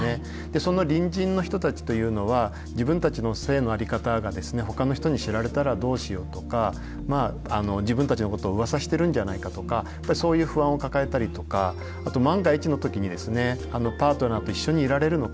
その隣人の人たちというのは自分たちの性の在り方がですねほかの人に知られたらどうしようとか自分たちのことをうわさしてるんじゃないかとかやっぱりそういう不安を抱えたりとかあと万が一の時にですねパートナーと一緒にいられるのか。